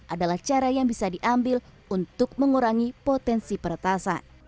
adalah cara yang bisa diambil untuk mengurangi potensi peretasan